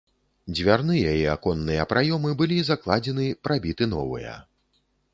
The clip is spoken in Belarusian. Дзвярныя і аконныя праёмы былі закладзены, прабіты новыя.